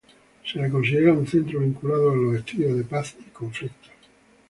Se le considera un centro vinculado a los estudios de paz y conflictos.